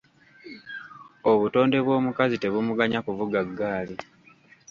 Obutonde bw’omukazi tebumuganya kuvuga ggaali.